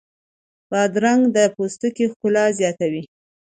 بادرنګ د پوستکي ښکلا زیاتوي.